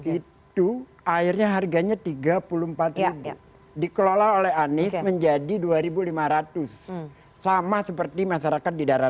itu airnya harganya tiga puluh empat dikelola oleh anies menjadi dua ribu lima ratus sama seperti masyarakat di daerah